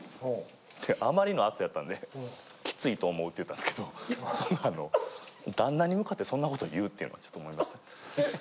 あまりの圧やったんで。って言ったんですけど旦那に向かってそんなこと言う？っていうのはちょっと思いました。